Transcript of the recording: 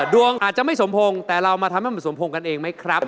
ดวงอาจจะไม่สมพงษ์แต่เรามาทำให้มันสมพงษ์กันเองไหมครับ